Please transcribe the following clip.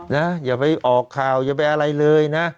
อย่าไปออกข่าวอย่าไปอะไรเลยนะ